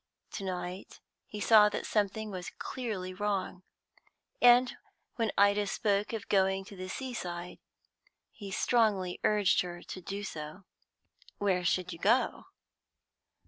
To night he saw that something was clearly wrong, and when Ida spoke of going to the seaside, he strongly urged her to do so. "Where should you go to?"